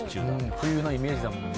冬のイメージだもんね。